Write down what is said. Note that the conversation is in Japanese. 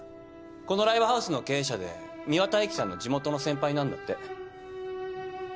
このライブハウスの経営者で美和大樹さんの地元の先輩なんだって。